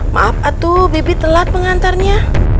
maaf atuh bibit telat pengantarnya